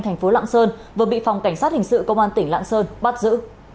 thành phố lạng sơn vừa bị phòng cảnh sát hình sự công an tỉnh lạng sơn bắt giữ